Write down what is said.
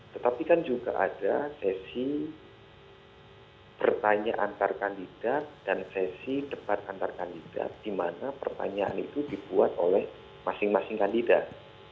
tetapi kan juga ada sesi bertanya antar kandidat dan sesi debat antar kandidat di mana pertanyaan itu dibuat oleh masing masing kandidat